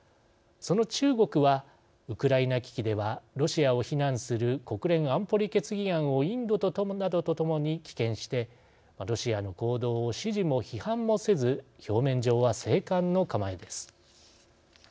その中国は、ウクライナ危機ではロシアを非難する国連安保理決議案をインドなどとともに棄権してロシアの行動を支持も批判もせず表面上は静観の構えです。